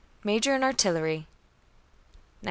Major in artillery. 1900.